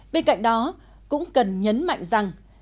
bên cạnh đó cũng cần nhấn mạnh rằng